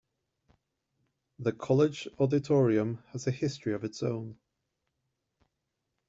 The college auditorium has a history of its own.